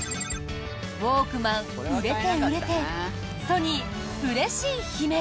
ウォークマン、売れて売れてソニー、うれしい悲鳴。